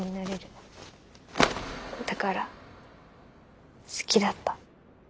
だから好きだった。